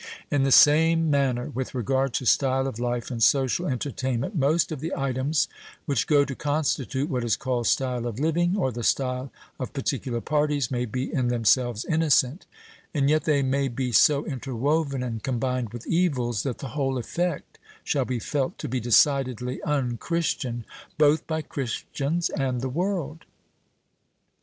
In the same manner, with regard to style of life and social entertainment most of the items which go to constitute what is called style of living, or the style of particular parties, may be in themselves innocent, and yet they may be so interwoven and combined with evils, that the whole effect shall be felt to be decidedly unchristian, both by Christians and the world.